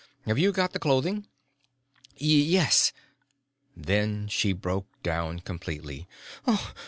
Have you got the clothing?" "Y yes." Then she broke down completely.